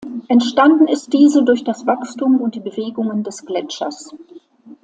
Entstanden ist diese durch das Wachstum und die Bewegungen des Gletschers.